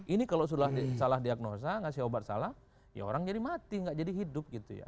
ini kalau sudah salah diagnosa ngasih obat salah ya orang jadi mati nggak jadi hidup gitu ya